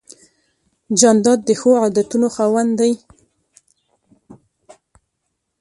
جانداد د ښو عادتونو خاوند دی.